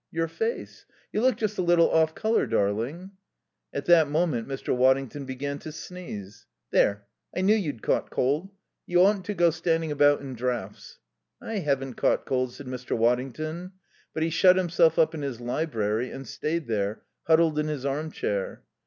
"Your face. You look just a little off colour, darling." At that moment Mr. Waddington began to sneeze. "There, I knew you'd caught cold. You oughtn't to go standing about in draughts." "I haven't caught cold," said Mr. Waddington. But he shut himself up in his library and stayed there, huddled in his armchair.